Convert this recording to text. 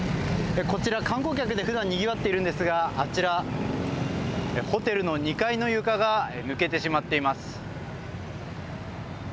こちら、観光客でふだんにぎわっているんですが、あちら、ホテルの２階の床が抜けてしまっています。